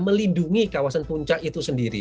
melindungi kawasan puncak itu sendiri